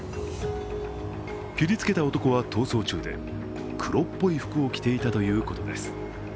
切りつけた男は逃走中で黒っぽい服を着ていたということです。